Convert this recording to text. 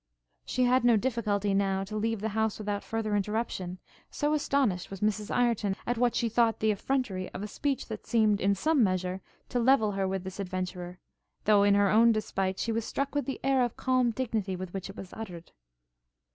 She had no difficulty, now, to leave the house without further interruption, so astonished was Mrs Ireton, at what she thought the effrontery of a speech, that seemed, in some measure, to level her with this adventurer; though, in her own despite, she was struck with the air of calm dignity with which it was uttered.